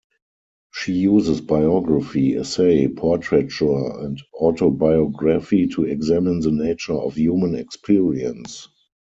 She uses biography, essay, portraiture and autobiography to examine the nature of human experience.